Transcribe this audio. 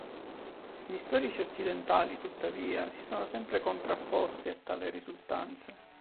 Gli storici occidentali, tuttavia, si sono sempre contrapposti a tali risultanze.